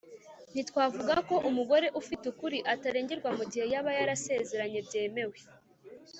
ntitwavuga ko umugore ufite ukuri atarengerwa mu gihe yaba yarasezeranye byemewe